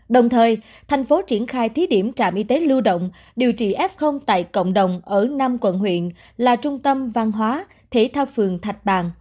đồng thời thành phố triển khai thí điểm trạm y tế lưu động điều trị f tại cộng đồng ở năm quận huyện là trung tâm văn hóa thể thao phường thạch bàn